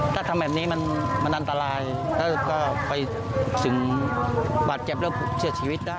ถ้าทำแบบนี้มันอันตรายแล้วก็ไปถึงบาดเจ็บแล้วเสียชีวิตได้